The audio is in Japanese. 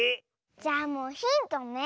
じゃあもうヒントね。